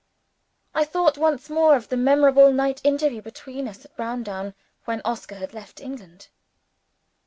I thought once more of the memorable night interview between us at Browndown, when Oscar had left England.